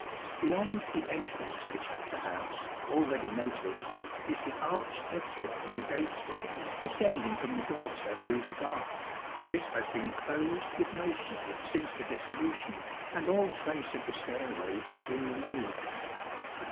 Beyond the entrance to the chapter house, already noticed, is the arched exit from the day stairs descending from the dorter to the garth ; this has been closed with masonry since the Dissolution, and all trace of the stairway has been removed.